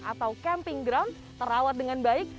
atau camping ground terawat dengan baik